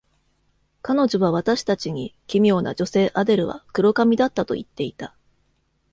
彼女は私たちに、奇妙な女性アデルは黒髪だったと言っていた。